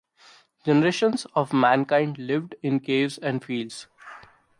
Generations of mankind lived in caves and fields.